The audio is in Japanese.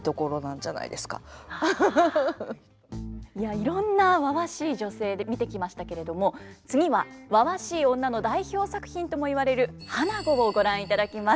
いろんなわわしい女性で見てきましたけれども次はわわしい女の代表作品とも言われる「花子」をご覧いただきます。